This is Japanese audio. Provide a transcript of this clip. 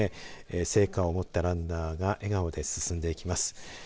聖火を持ったランナーが笑顔で進んでいきます。